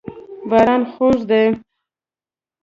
باران خوږ دی.